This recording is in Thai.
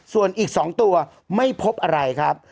ส่วนอีก๒ตัวไม่พบอะไรครับ